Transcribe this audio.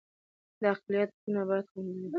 د اقلیت حقونه باید خوندي وي